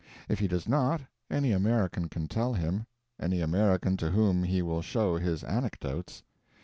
If he does not, any American can tell him any American to whom he will show his anecdotes.